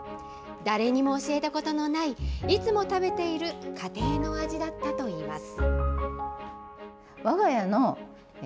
誰にも教えたことのない、いつも食べている家庭の味だったといいます。